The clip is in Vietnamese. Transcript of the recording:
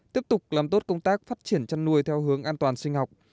tiếp tục làm tốt công tác phát triển chăn nuôi theo hướng an toàn sinh học